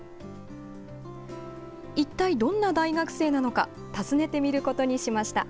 一体、どんな大学生なのか訪ねてみることにしました。